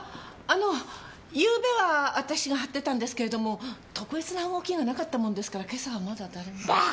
あの昨夜は私が張ってたんですけれども特別な動きがなかったもんですから今朝はまだ誰も。